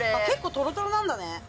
結構トロトロなんだね。